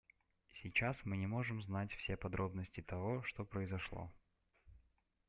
Сейчас мы не можем знать все подробности того, что произошло.